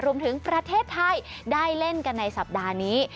รวมถึงประเทศไทยได้เล่นกันในสัปดาห์นี้